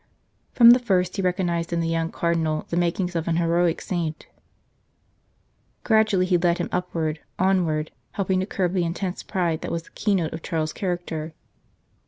From the first he recognized in the young Cardinal the makings of an heroic saint. Gradually he led him upward, onward, helping to curb the intense pride that was the keynote of Charles s character.